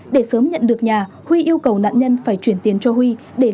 để sớm nhận được nhà huy yêu cầu nạn nhân phải chuyển tiền cho huy